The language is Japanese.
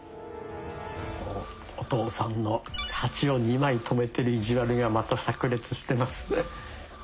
おお父さんの「８」を２枚止めてる意地悪がまたさく裂してます。